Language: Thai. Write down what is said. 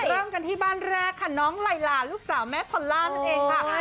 เริ่มกันที่บ้านแรกค่ะน้องไลลาลูกสาวแม่พอลล่านั่นเองค่ะ